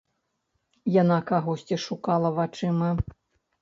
Яна кагосьці шукала вачыма.